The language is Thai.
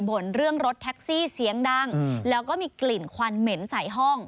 เรื่องรถแท็กซี่เสียงดังแล้วก็มีกลิ่นควันเหม็นใส่ห้อง